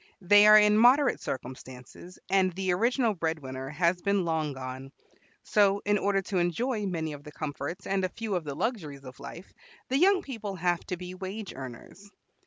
They are in moderate circumstances, and the original breadwinner has been long gone; so in order to enjoy many of the comforts and a few of the luxuries of life the young people have to be wage earners.